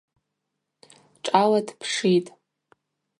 Шӏала дпшитӏ.